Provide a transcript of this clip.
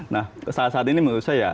nah saat saat ini menurut saya